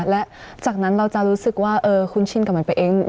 และจากนั้นเราจะรู้สึกว่าคุ้นชินกับมันไปเอง